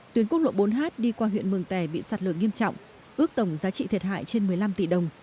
tuyến quốc lộ bốn h đi qua huyện mường tè bị sạt lở nghiêm trọng ước tổng giá trị thiệt hại trên một mươi năm tỷ đồng